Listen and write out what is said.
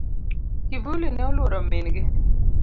Kivuli ne oluoro min gi.